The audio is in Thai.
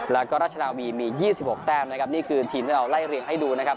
แล้วก็ราชนาวีมี๒๖แต้มนะครับนี่คือทีมที่เราไล่เรียงให้ดูนะครับ